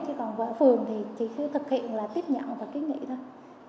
chứ còn phường thì chỉ thực hiện là tiếp nhận và kín nghị thôi